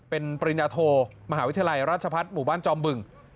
เป็นปริญญาโทมหาวิทยาลัยราชพัฒน์หมู่บ้านจอมบึง